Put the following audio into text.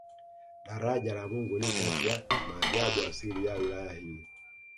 Daraja la Mungu ni kati ya maajabu asilia ya wilaya hii